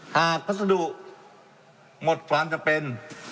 หากพัฒนธุหมดความจำเป็น